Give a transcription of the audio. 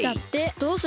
どうする？